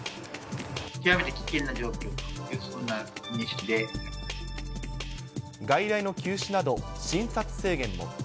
極めて危険な状況という、外来の休止など、診察制限も。